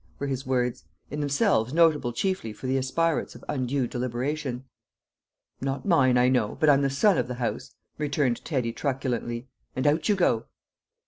were his words, in themselves notable chiefly for the aspirates of undue deliberation. "Not mine, I know; but I'm the son of the house," returned Teddy truculently, "and out you go!"